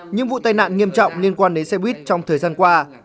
những vụ tai nạn nghiêm trọng liên quan đến xe buýt trong thời gian qua